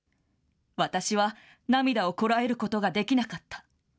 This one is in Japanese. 私は涙をこらえることができなかった。